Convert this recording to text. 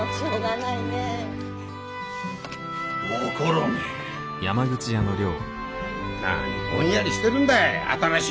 なにぼんやりしてるんだい。